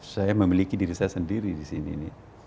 saya memiliki diri saya sendiri di sini ini